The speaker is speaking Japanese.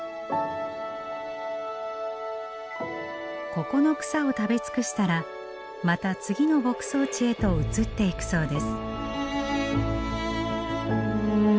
ここの草を食べ尽くしたらまた次の牧草地へと移っていくそうです。